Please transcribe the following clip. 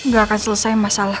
gak akan selesai masalah